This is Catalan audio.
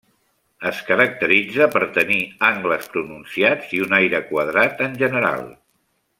Es caracteritza per tenir angles pronunciats i un aire quadrat en general.